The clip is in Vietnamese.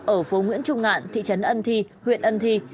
ở phố nguyễn trung ngạn thị trấn ân thi huyện ân thi